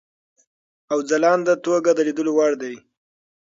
او ځلانده توګه د لیدلو وړ دی.